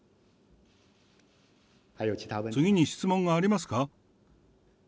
次に質問がありますか？